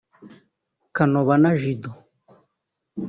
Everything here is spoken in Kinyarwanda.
Kanobana Judo